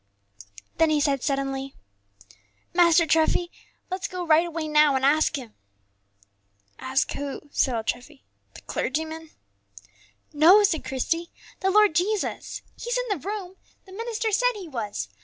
Then he said suddenly, "Master Treffy, let's go right away now and ask Him." "Ask who?" said old Treffy, "the clergyman?" "No," said Christie, "the Lord Jesus. He's in the room, the minister said He was.